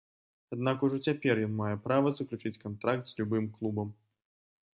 Аднак ужо цяпер ён мае права заключыць кантракт з любым клубам.